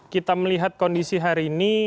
kita melihat kondisi hari ini